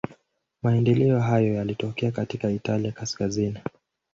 Maendeleo hayo yalitokea katika Italia kaskazini.